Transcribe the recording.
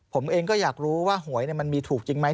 ผมเองก็อยากรู้ว่าหวยมันมีถูกจริงไหม